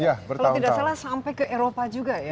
kalau tidak salah sampai ke eropa juga ya